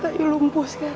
tante ayu lumpuh sekarang